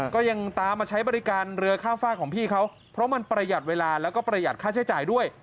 ก็ยังตามมาใช้บริการเรือข้ามฝากของพี่เขาเพราะมันประหยัดเวลาแล้วก็ประหยัดค่าใช้จ่ายด้วย